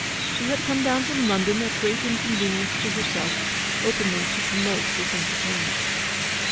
She had come down from London at great inconvenience to herself; openly to promote this entertainment.